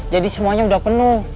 jadi semuanya udah penuh